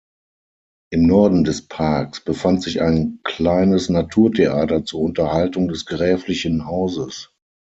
Im Norden des Parks befand sich ein kleines Naturtheater zur Unterhaltung des gräflichen Hauses.